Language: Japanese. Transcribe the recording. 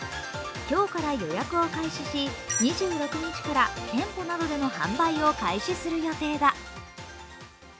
今日から予約を開始し、２６日から店舗などでの販売を開始する予定だ。